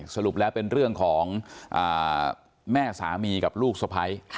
สรุปแล้วเป็นเรื่องของแม่สามีกับลูกสะพ้าย